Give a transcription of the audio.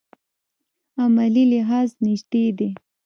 عملي لحاظ نژدې دي.